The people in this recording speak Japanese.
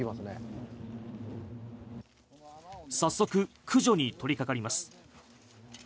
早速、駆除に取りかかります。